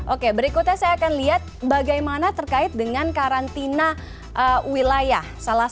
oke berikutnya saya akan lihat bagaimana terkait dengan karantina wilayah